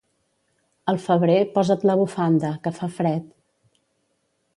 Al febrer, posa't la bufanda, que fa fred.